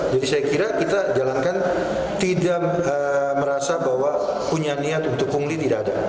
jadi saya kira kita jalankan tidak merasa bahwa punya niat untuk ungli tidak ada